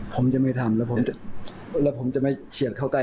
ผมจะไม่ทำแล้วผมจะไม่เฉียดเข้าใกล้